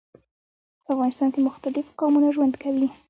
په افغانستان کي مختلیف قومونه ژوند کوي.